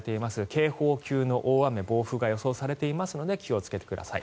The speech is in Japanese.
警報級の大雨、暴風が予想されていますので気をつけてください。